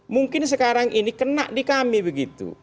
mungkin sekarang ini kena di kami begitu